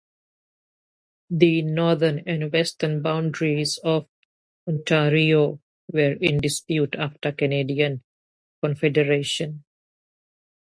The northern and western boundaries of Ontario were in dispute after Canadian Confederation.